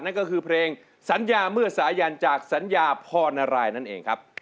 นั่นก็คือเพลงสัญญาเมื่อสายันจากสัญญาพรณรายนั่นเองครับ